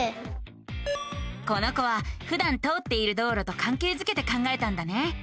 この子はふだん通っている道路とかんけいづけて考えたんだね。